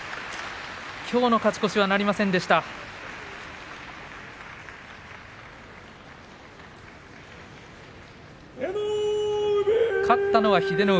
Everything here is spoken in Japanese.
きょうの勝ち越しはなりませんでした、千代の国。